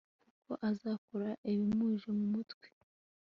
kuko azakora ibimuje mu mutwe